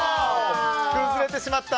崩れてしまった！